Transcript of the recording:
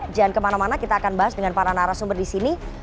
jangan kemana mana kita akan bahas dengan para narasumber di sini